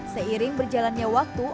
seiring berjalannya waktu